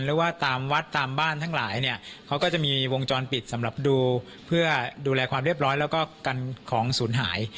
หรือว่าตามวัดตามบ้านทั้งหลายเนี่ยเขาก็จะมีวงจรปิดสำหรับดูเพื่อดูแลความเรียบร้อยแล้วก็กันของศูนย์หาย